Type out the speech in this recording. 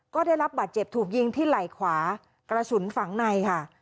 ก็ได้รับบาดเจ็บถูกยิงที่ไหล่ขวากระสุนฝังในค่ะ